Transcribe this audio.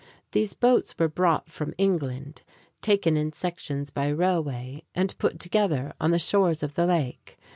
These boats were brought from England, taken in sections by railway and put together on the shores of the lake.